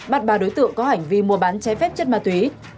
bắt ba đối tượng có hành vi mua bán trái phép chất ma túy